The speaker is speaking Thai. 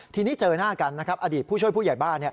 ทีนี้เจอหน้ากันนะครับอดีตผู้ช่วยผู้ใหญ่บ้าน